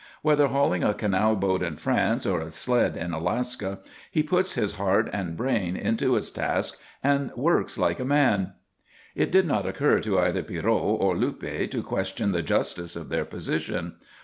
Whether hauling a canal boat in France or a sled in Alaska, he puts his heart and brain into his task and works like a man. It did not occur to either Pierrot or Luppe to question the justice of their position.